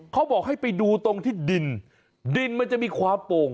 เขาบอกให้ไปดูตรงที่ดินดินมันจะมีความโป่ง